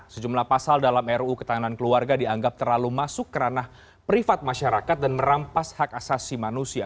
sejumlah pasal dalam ruu ketahanan keluarga dianggap terlalu masuk kerana privat masyarakat dan merampas hak asasi manusia